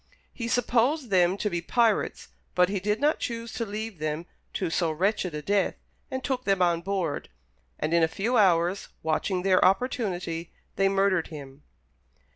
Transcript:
He supposed them to be pirates, but he did not choose to leave them to so wretched a death, and took them on board; and in a few hours, watching their opportunity, they murdered him.